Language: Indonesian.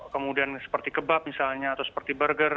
kemudian seperti kebab misalnya atau seperti burger